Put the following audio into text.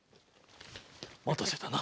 待たせたな。